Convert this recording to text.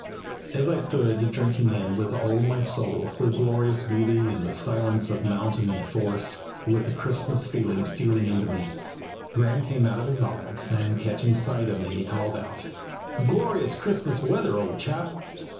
As I stood drinking in with all my soul the glorious beauty and the silence of mountain and forest, with the Christmas feeling stealing into me, Graeme came out from his office, and catching sight of me, called out, "Glorious Christmas weather, old chap!"